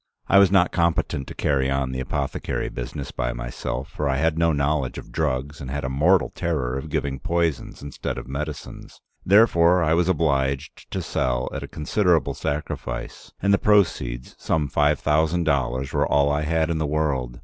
I was not competent to carry on the apothecary business by myself, for I had no knowledge of drugs, and had a mortal terror of giving poisons instead of medicines. Therefore I was obliged to sell at a considerable sacrifice, and the proceeds, some five thousand dollars, were all I had in the world.